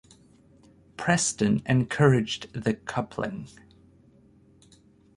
Preston encouraged the coupling.